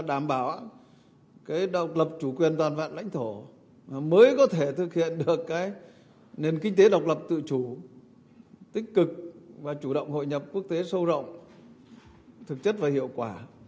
đảm bảo độc lập chủ quyền toàn vạn lãnh thổ mới có thể thực hiện được nền kinh tế độc lập tự chủ tích cực và chủ động hội nhập quốc tế sâu rộng thực chất và hiệu quả